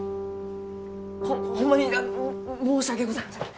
ホンマに申し訳ございません。